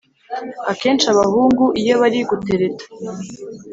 akenshi abahungu iyo bari gutereta